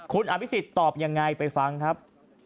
คุณอภิษฎตอบยังไงไปฟังครับ